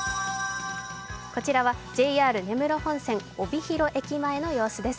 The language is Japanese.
こちらはＪＲ根室本線帯広駅前の様子です。